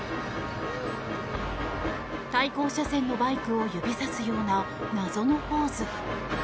対向車線のバイクを指さすような謎のポーズ。